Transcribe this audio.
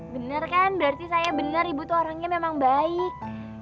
benar kan berarti saya benar ibu tuh orangnya memang baik